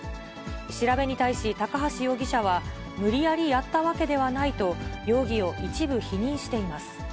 調べに対し、高橋容疑者は、無理やりやったわけではないと、容疑を一部否認しています。